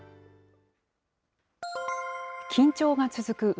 緊張が続く